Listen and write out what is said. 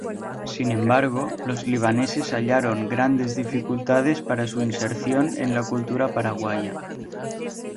Sin embargo, los libaneses hallaron grandes dificultades para su inserción en la cultura paraguaya.